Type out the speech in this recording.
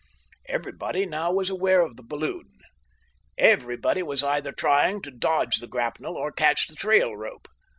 Everybody now was aware of the balloon. Everybody was either trying to dodge the grapnel or catch the trail rope.